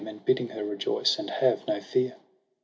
And bidding her rejoice and have no fear.